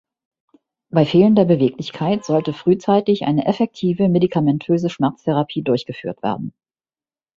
Bei fehlender Beweglichkeit sollte frühzeitig eine effektive medikamentöse Schmerztherapie durchgeführt werden.